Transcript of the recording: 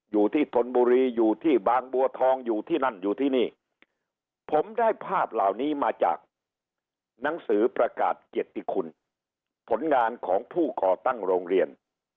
ธนบุรีอยู่ที่บางบัวทองอยู่ที่นั่นอยู่ที่นี่ผมได้ภาพเหล่านี้มาจากหนังสือประกาศเกียรติคุณผลงานของผู้ก่อตั้งโรงเรียน